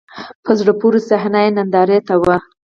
په زړه پورې صحنه یې نندارې ته و.